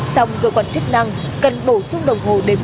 xong cơ quan chức năng cần bổ sung đồng hồ đếm ngược